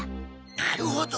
なるほど！